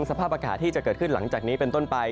สภาพอากาศที่จะเกิดขึ้นหลังจากนี้เป็นต้นไป